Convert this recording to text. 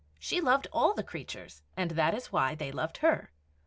She loved all the creatures, and that is why they loved her.